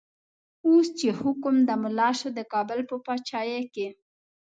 اوس چه حکم د ملا شو، دکابل په پاچایی کی